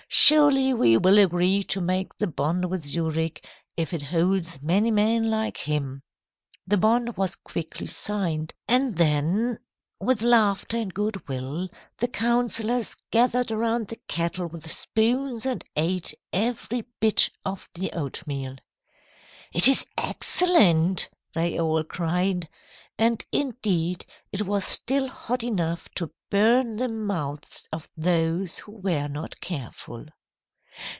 'Surely we will agree to make the bond with Zurich, if it holds many men like him.' "The bond was quickly signed and then, with laughter and good will, the councillors gathered around the kettle with spoons and ate every bit of the oatmeal. "'It is excellent,' they all cried. And indeed it was still hot enough to burn the mouths of those who were not careful."